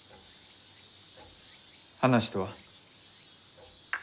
話とは？